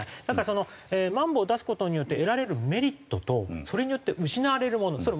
だからまん防を出す事によって得られるメリットとそれによって失われるもの。